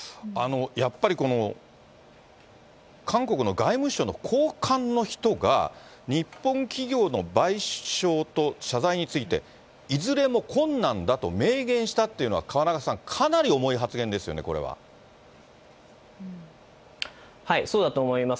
やっぱり、この韓国の外務省の高官の人が、日本企業の賠償と謝罪について、いずれも困難だと明言したというのは、河中さん、かなり重い発言ですよね、そうだと思います。